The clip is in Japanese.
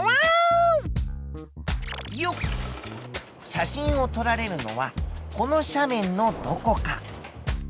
写真を撮られるのはこの斜面のどこか。